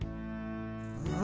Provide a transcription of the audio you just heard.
うん？